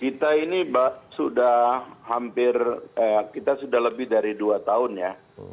kita ini sudah hampir kita sudah lebih dari dua tahun ya